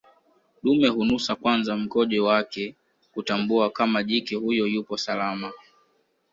Dume hunusa kwanza mkojo wake kutambua kama jike huyo yupo salama